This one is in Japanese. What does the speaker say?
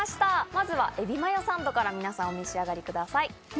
まずはエビマヨサンドから皆さんお召し上がりください。